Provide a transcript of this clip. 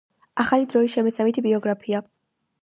ახალი დროის შემეცნებითი ბიოგრაფია